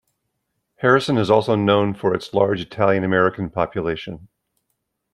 Harrison is also known for its large Italian American population.